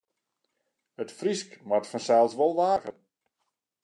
It Frysk moat fansels wol waarboarge wurde.